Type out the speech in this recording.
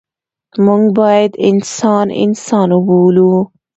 موږ باید انسان انسان وبولو.